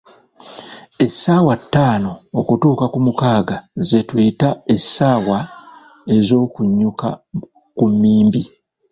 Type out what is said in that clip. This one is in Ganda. Essaawa ttaano okutuuka ku mukaaga ze tuyita, essaawa ez'okunyuka ku mmimbi.